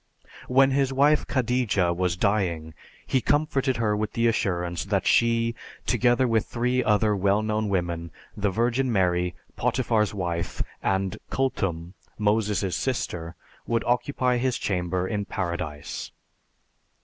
When his wife Khadija was dying he comforted her with the assurance that she, together with three other well known women, the Virgin Mary, Potiphar's wife, and "Kulthum," Moses' sister, would occupy his chamber in Paradise.